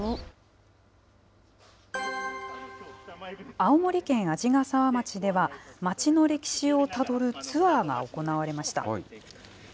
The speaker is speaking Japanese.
青森県鰺ヶ沢町では、町の歴史をたどるツアーが行われました。